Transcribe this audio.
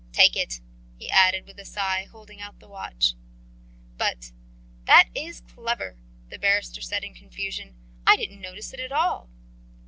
Take it," he added with a sigh, holding out the watch. "But ... That is clever," the barrister said in confusion. "I didn't notice it at all."